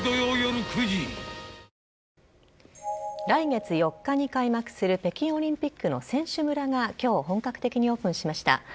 来月４日に開幕する北京オリンピックの選手村が今日本格的にオープンしました。